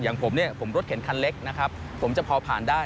อย่างผมผมรถเข็นคันเล็กผมจะพอผ่านได้